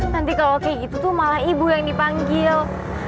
nanti kalau kayak gitu tuh malah ibu yang dipanggil